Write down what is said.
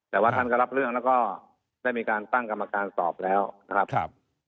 แต่ว่าท่านก็รับเรื่องแล้วก็ได้มีการตั้งกรรมการสอบแล้วนะครับ